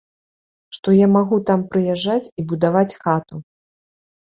Што я магу там прыязджаць і будаваць хату.